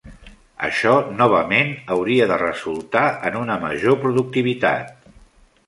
Això novament hauria de resultar en una major productivitat.